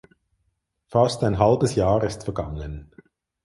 Fast ein halbes Jahr ist vergangen.